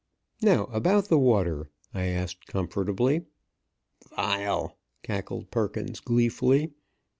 "Now about the water?" I asked comfortably. "Vile!" cackled Perkins, gleefully.